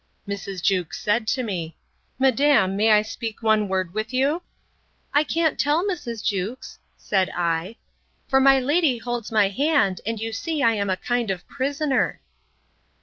Mrs. Jewkes said to me, Madam, may I speak one word with you?—I can't tell, Mrs. Jewkes, said I; for my lady holds my hand, and you see I am a kind of prisoner.